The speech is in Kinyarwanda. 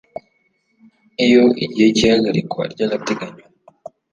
iyo igihe cy ihagarikwa ry agateganyo